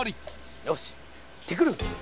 よし行ってくる！